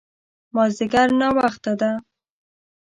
مازديګر ناوخته ده